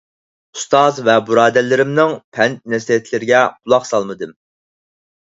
ئۇستاز ۋە بۇرادەرلىرىمنىڭ پەند - نەسىھەتلىرىگە قۇلاق سالمىدىم.